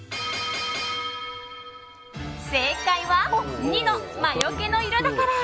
正解は、２の魔よけの色だから。